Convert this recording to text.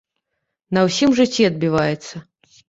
На ўсім жыцці адбіваецца.